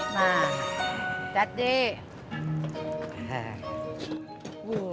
nah lihat deh